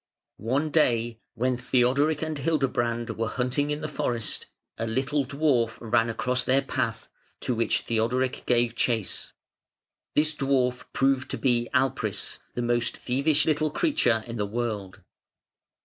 One day when Theodoric and Hildebrand were hunting in the forest, a little dwarf ran across their path, to which Theodoric gave chase. This dwarf proved to be Alpris, the most thievish little creature in the world.